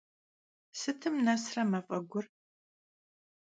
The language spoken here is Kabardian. Sıtım nesre maf'egur?